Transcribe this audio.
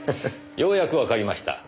ようやくわかりました。